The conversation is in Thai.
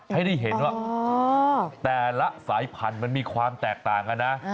ให้ได้เห็นว่าแต่ละสายพันธุ์มันมีความแตกต่างกันนะ